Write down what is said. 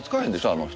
あの人。